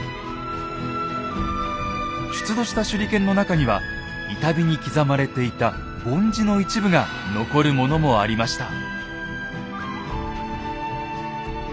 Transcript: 出土した手裏剣の中には板碑に刻まれていた梵字の一部が残るものもありました。